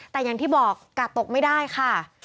แต่อย่างที่บอกกาดตกไม่ได้ค่ะ